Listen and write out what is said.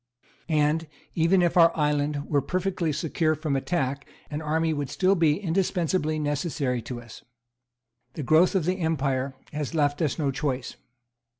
And, even if our island were perfectly secure from attack, an army would still be indispensably necessary to us. The growth of the empire has left us no choice.